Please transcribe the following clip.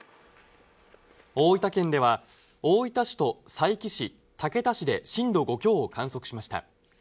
大分県では大分市と佐伯市、竹田市で震度５強を観測しました。